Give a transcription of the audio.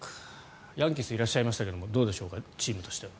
ヤンキースいらっしゃいましたがどうでしょうかチームとしては。